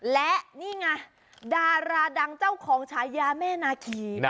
และนี่ไงดาราดังเจ้าของฉายาแม่นาคี